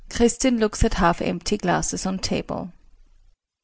Kristin looks at half empty glasses on table.